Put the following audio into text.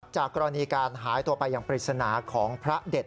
จากกรณีการหายตัวไปอย่างปริศนาของพระเด็ด